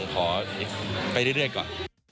ขอไปเรื่อยก่อน